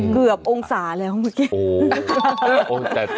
เกือบองศาแล้วเมื่อกี้